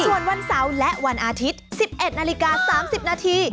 ส่วนวันเสาร์และวันอาทิตย์๑๑นาฬิกา๓๐นาที